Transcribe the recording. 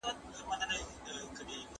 د مجردانو ژوند تل منظم نه وي.